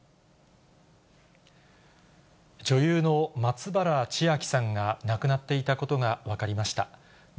女優の松原千明さんが亡くなっていたことが分かりました。